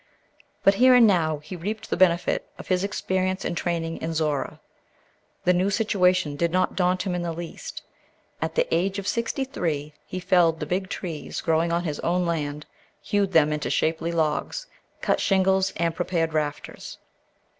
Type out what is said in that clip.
But here and now he reaped the benefit of his experience and training in Zorra. The new situation did not daunt him in the least. At the age of sixty three he felled the big trees growing on his own land, hewed them into shapely logs, cut shingles and prepared rafters.